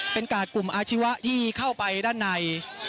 เป็นกาดกลุ่มอาชีวะที่เข้าไปด้านใน